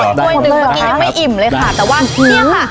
แบบนี้ไม่อิ่มเลยค่ะแต่ว่านี่ค่ะ